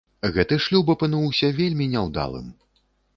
Гэты шлюб апынуўся вельмі няўдалым.